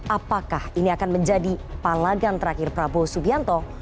apakah ini akan menjadi palagan terakhir prabowo subianto